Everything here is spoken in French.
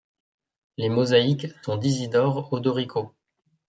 Les mosaïques sont d'Isidore Odorico.